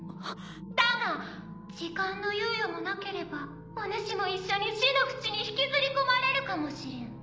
だが時間の猶予もなければおぬしも一緒に死の淵に引きずり込まれるかもしれん。